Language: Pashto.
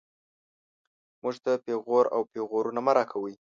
موږ ته پېغور او پېغورونه مه راکوئ